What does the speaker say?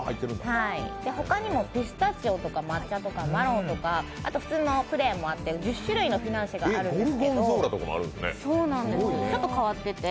他にもピスタチオとか抹茶とかマロンとかあと普通のプレーンもあって１０種類のフィナンシェがあるんです。